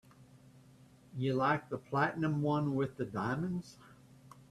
You liked the platinum one with the diamonds.